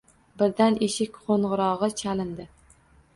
Birdan eshik qo`ng`irog`i chalindi